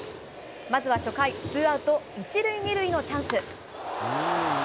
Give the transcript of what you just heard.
まずは初回、ツーアウト１塁２塁のチャンス。